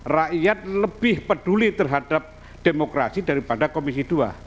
rakyat lebih peduli terhadap demokrasi daripada komisi dua